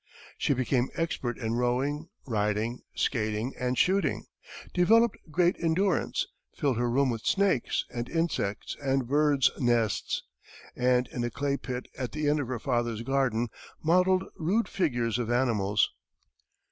She became expert in rowing, riding, skating and shooting, developed great endurance, filled her room with snakes and insects and birds' nests, and in a clay pit at the end of her father's garden modelled rude figures of animals.